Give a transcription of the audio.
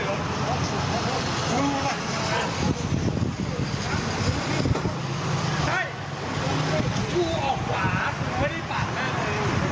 แล้วมึงมึงยายมึงเก๋ามึงเก๋าว่าลุงท้องเบี้ยเนี่ย